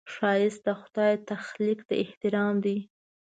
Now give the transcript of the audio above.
ښایست د خدای تخلیق ته احترام دی